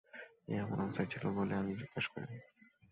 ও অমন অবস্থায় ছিল বলে আমি জিজ্ঞেস করিনি।